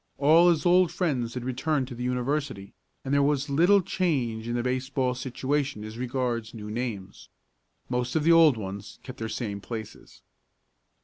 All his old friends had returned to the university, and there was little change in the baseball situation as regards new names. Most of the old ones kept their same places.